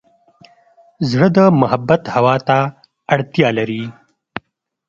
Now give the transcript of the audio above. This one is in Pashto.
زړه د محبت هوا ته اړتیا لري.